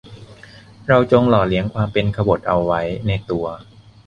เราจงหล่อเลี้ยงความเป็นขบถเอาไว้ในตัว